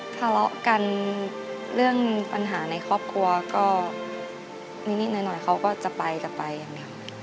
ทะเลาะกันเรื่องปัญหาในครอบครัวก็นิดหน่อยเขาก็จะไปจะไปอย่างนี้